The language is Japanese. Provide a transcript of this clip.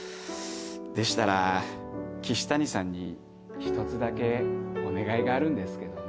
でしたら岸谷さんに１つだけお願いがあるんですけどね。